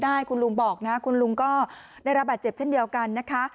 ได้คุณลุงบอกนะคุณลุงก็ได้รับบาดเจ็บเช่นเดียวกันนะคะ